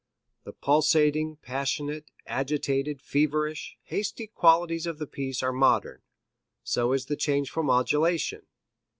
The pulsating, passionate, agitated, feverish, hasty qualities of the piece are modern; so is the changeful modulation.